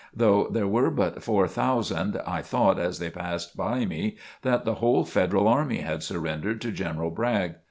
Though there were but four thousand, I thought as they passed by me that the whole Federal Army had surrendered to General Bragg.